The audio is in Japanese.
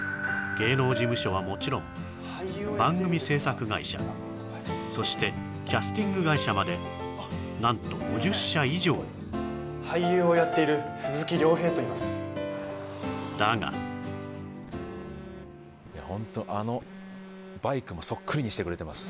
芸能事務所はもちろん番組制作会社そしてキャスティング会社まで何と５０社以上俳優をやっている鈴木亮平といいますだがホントあのバイクもそっくりにしてくれてます